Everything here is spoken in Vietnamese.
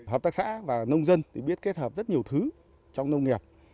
hợp tác xã và nông dân biết kết hợp rất nhiều thứ trong nông nghiệp